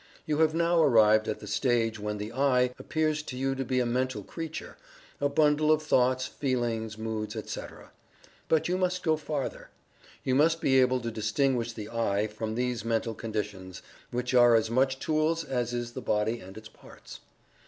You have now arrived at the stage when the "I" appears to you to be a mental creature a bundle of thoughts, feelings, moods, etc. But you must go farther. You must be able to distinguish the "I" from these mental conditions, which are as much tools as is the body and its parts.